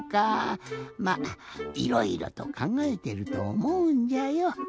まいろいろとかんがえてるとおもうんじゃよ。